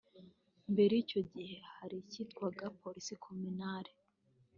Mbere y’icyo gihe hariho ikitwaga Police Communale